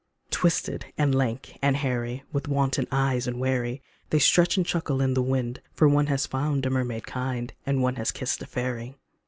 Twisted and lank and hairy, With wanton eyes and wary, They stretch and chuckle in the wind, For one has found a mermaid kind, And one has kissed a fairy.